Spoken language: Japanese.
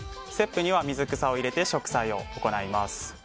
ステップ２は水草を入れて植栽を行います。